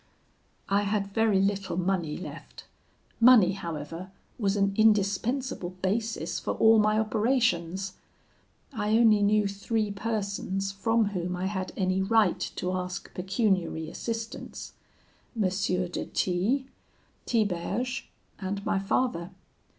"I had very little money left; money, however, was an indispensable basis for all my operations. I only knew three persons from whom I had any right to ask pecuniary assistance M. de T , Tiberge, and my father.